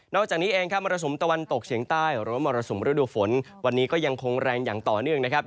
จากนี้เองครับมรสุมตะวันตกเฉียงใต้หรือว่ามรสุมฤดูฝนวันนี้ก็ยังคงแรงอย่างต่อเนื่องนะครับ